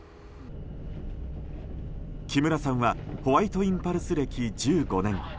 木村さんはホワイトインパルス歴１５年。